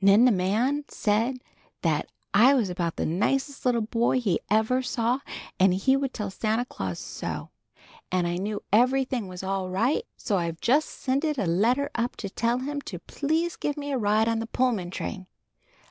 "Nen the man said that I was about the nicest little boy he ever saw and he would tell Santa Claus so. An' I knew everything was all right so I've just sended a letter up to tell him to please give me a ride on the Pullman train."